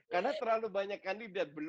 karena terlalu banyak kandidat